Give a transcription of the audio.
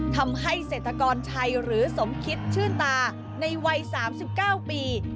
ทำให้เศรษฐกรชัยหรือสมคิดชื่นตาในวัย๓๙ปี